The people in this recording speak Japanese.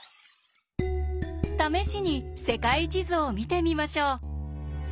試しに世界地図を見てみましょう。